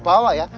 yang maaf jatuh